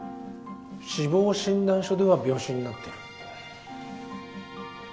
死亡診断書では病死になってる。